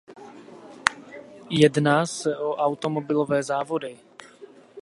Jedná se o automobilové závody.